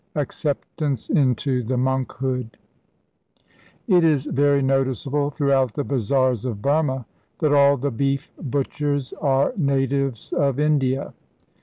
Acceptance into the Monkhood. It is very noticeable throughout the bazaars of Burma that all the beef butchers are natives of India.